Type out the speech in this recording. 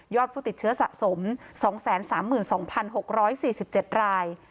ผู้ติดเชื้อสะสม๒๓๒๖๔๗ราย